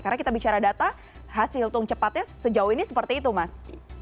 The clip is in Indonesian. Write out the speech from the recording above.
karena kita bicara data hasil hitung cepatnya sejauh ini seperti itu mas